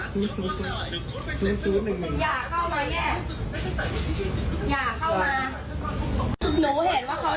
ผมปลดล็อคเดี๋ยวผมปลดล็อคปลดรหัสมามามามาบอกบอกบอก